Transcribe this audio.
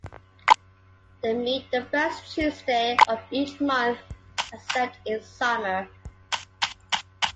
They meet the first Tuesday of each month, except in summer.